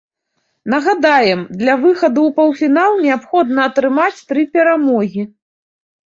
Нагадаем, для выхаду ў паўфінал неабходна атрымаць тры перамогі.